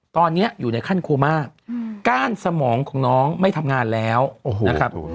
ตอนนี้อยู่ในขั้นโคม่าก้านสมองของน้องไม่ทำงานแล้วนะครับ